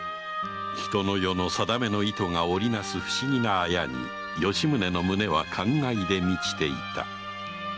人の世のさだめの糸が織りなす不思議な綾に吉宗の胸は感慨で満ちていた。